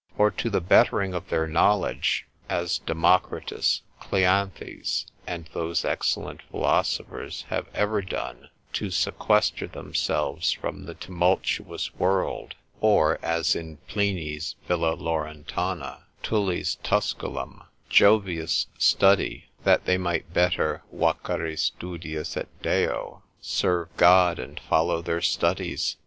Or to the bettering of their knowledge, as Democritus, Cleanthes, and those excellent philosophers have ever done, to sequester themselves from the tumultuous world, or as in Pliny's villa Laurentana, Tully's Tusculan, Jovius' study, that they might better vacare studiis et Deo, serve God, and follow their studies.